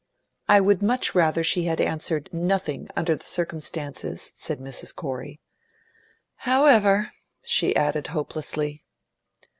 "I would much rather she had answered nothing, under the circumstances," said Mrs. Corey. "However!" she added hopelessly.